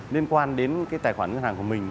liên quan đến tài khoản ngân hàng của mình